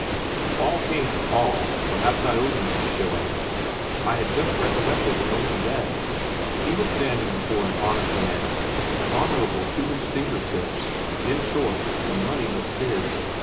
If all came to all, perhaps I owed him this shilling; I had just recollected an old debt; he was standing before an honest man, honourable to his finger tips in short, the money was his.